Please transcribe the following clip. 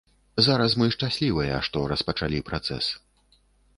Зараз мы шчаслівыя, што распачалі працэс.